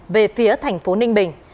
về phía tp ninh bình